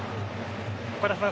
岡田さん